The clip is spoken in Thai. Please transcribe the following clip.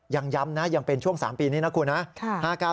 ยังย้ำนะยังเป็นช่วง๓ปีนี้นะคุณนะ